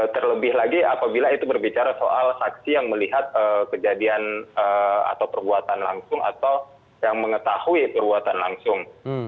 terlebih lagi apabila itu berbicara soal saksi yang melihat kejadian atau perbuatan langsung atau yang mengetahui perbuatan langsung